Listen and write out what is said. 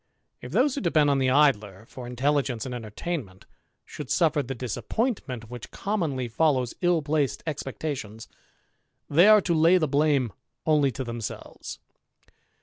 If those who depend on the Idler for intelligence and entertainment should suffer the disappointment which commonly follows ill placed expectations, they are to lay the blame only to themselves.